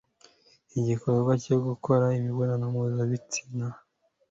igikorwa cyo gukora imibonano mpuzabitsina